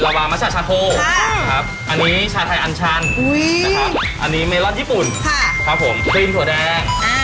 ลาวามัชะชาโทค่ะครับอันนี้ชาไทยอันชั่นอุ้ยนะครับอันนี้เมล็ดญี่ปุ่นค่ะครับผมครีมถั่วแดงอ่า